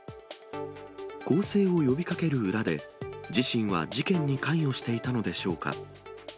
更生を呼びかける裏で、自身は事件に関与していたのでしょうか。